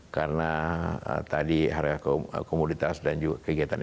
karena tadi harga komoditas dan juga kegiatan ekonomi